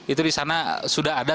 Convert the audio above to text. itu di sana sudah ada